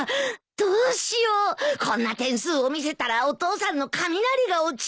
どうしようこんな点数を見せたらお父さんの雷が落ちるよ！